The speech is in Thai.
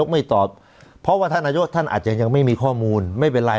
ไม่ตอบเพราะว่าท่านนายกท่านอาจจะยังไม่มีข้อมูลไม่เป็นไร